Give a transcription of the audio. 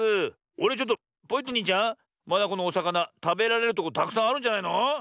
あれちょっとポイットニーちゃんまだこのおさかなたべられるとこたくさんあるんじゃないの？